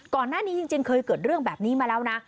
ก่อนหน้านี้จริงเคยเกิดเรื่องแบบนี้มาแล้วนะ